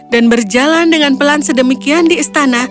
dan berjalan dengan pelan sedemikian di istana